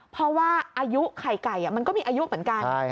เพราะว่าอายุไข่ไก่มันก็มีอายุเหมือนกัน